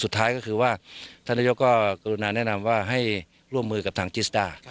สุดท้ายก็คือว่าท่านนายกก็กรุณาแนะนำว่าให้ร่วมมือกับทางจิสด้า